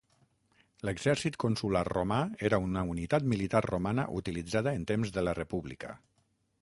L'exèrcit consular romà era una unitat militar romana utilitzada en temps de la república.